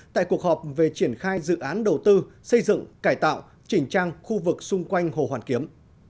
tại cuộc họp về triển khai dự án đầu tư xây dựng cải tạo chỉnh trang khu vực xung quanh hồ hoàn kiếm